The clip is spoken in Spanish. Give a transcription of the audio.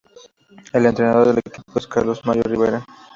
El entrenador del equipo es Carlos Mario Rivera.